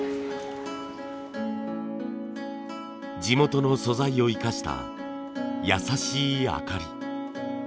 地元の素材を生かした優しい明かり。